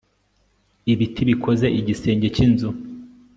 ibiti bikoze igisenge cy'inzu